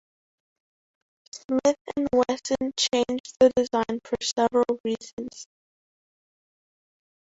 Smith and Wesson changed the design for several reasons.